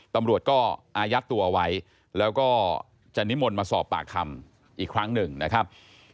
ตำรวจก็อายัดตัวไว้แล้วก็จะนิมนต์มาสอบปากคำอีกครั้งหนึ่งนะครับ